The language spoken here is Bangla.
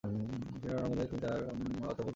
আর রণাঙ্গনে তিনি তাঁর কর্তব্যকেও নির্ধারিত করে নিলেন।